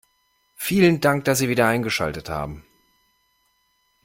Vielen Dank, dass Sie wieder eingeschaltet haben.